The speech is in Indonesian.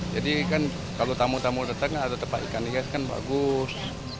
jadi kan kalau tamu tamu datang ada tempat ikan hias kan bagus